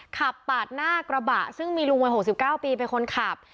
ขับปาดหน้ากระบะซึ่งมีลุงวัย๖๙ปีเป็นคนขับ